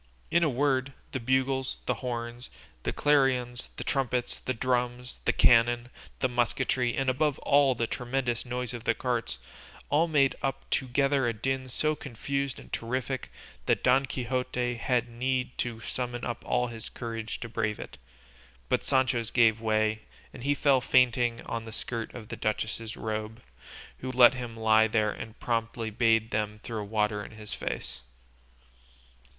In a word, the bugles, the horns, the clarions, the trumpets, the drums, the cannon, the musketry, and above all the tremendous noise of the carts, all made up together a din so confused and terrific that Don Quixote had need to summon up all his courage to brave it; but Sancho's gave way, and he fell fainting on the skirt of the duchess's robe, who let him lie there and promptly bade them throw water in his face.